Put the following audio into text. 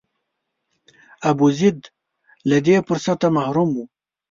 ابوزید له دې فرصته محروم و.